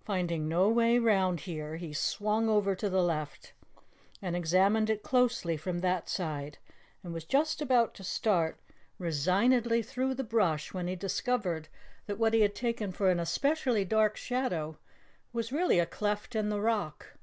Finding no way round here, he swung over to the left and examined it closely from that side, and was just about to start resignedly through the brush when he discovered that what he had taken for an especially dark shadow was really a cleft in the rock.